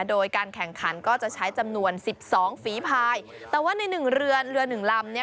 โดยการแข่งขันก็จะใช้จำนวนสิบสองฝีภายแต่ว่าในหนึ่งเรือเรือหนึ่งลำเนี่ย